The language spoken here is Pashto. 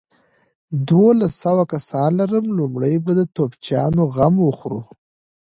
دوولس سوه کسان لرم، لومړۍ به د توپچيانو غم وخورو.